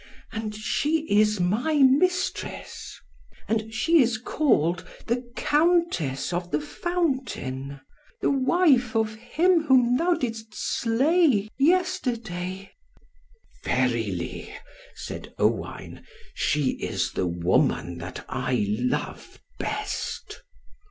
And she is my mistress; and she is called the Countess of the Fountain, the wife of him whom thou didst slay yesterday." "Verily," said Owain, "she is the woman that I love best."